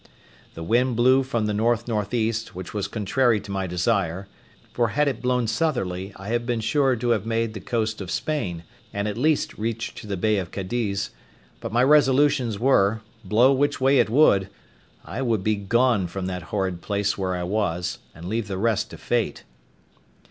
The wind blew from the N.N.E., which was contrary to my desire, for had it blown southerly I had been sure to have made the coast of Spain, and at least reached to the bay of Cadiz; but my resolutions were, blow which way it would, I would be gone from that horrid place where I was, and leave the rest to fate.